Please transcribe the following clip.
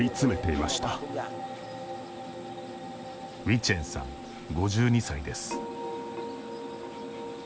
ウィチェンさん、５２歳です。